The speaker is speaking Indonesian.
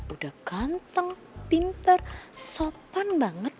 udah ganteng pinter sopan banget